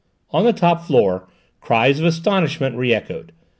On the top floor cries of astonishment re echoed.